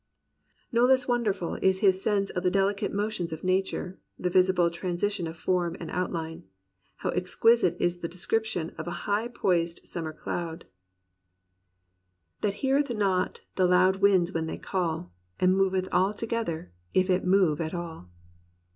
No less wonderful is his sense of the delicate mo tions of nature, the visible transition of form and outline. How exquisite is the description of a high poising sunamer cloud, 210 THE RECOVERY OF JOY "That heareth not the loud winds when they call; And moveth all together, if it move at all."